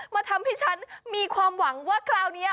มาทำให้ฉันมีความหวังว่าคราวนี้